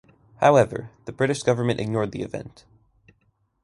However, the British government ignored the event.